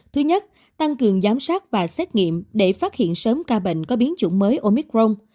thứ nhất tăng cường giám sát và xét nghiệm để phát hiện sớm ca bệnh có biến chủng mới omicron